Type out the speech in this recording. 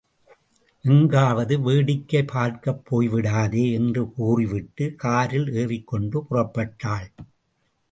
எங்காவது வேடிக்கை பார்க்கப் போய்விடாதே என்று கூறிவிட்டு, காரில் ஏறிக்கொண்டு புறப்பட்டாள்.